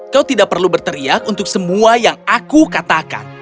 kau tidak perlu berteriak untuk semua yang aku katakan